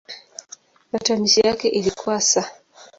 Matamshi yake ilikuwa "s".